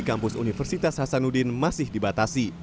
kampus universitas hasanuddin masih dibatasi